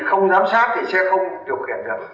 không giám sát thì sẽ không điều khiển được